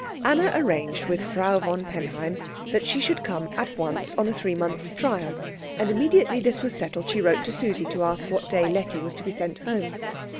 Anna arranged with Frau von Penheim that she should come at once on a three months' trial; and immediately this was settled she wrote to Susie to ask what day Letty was to be sent home.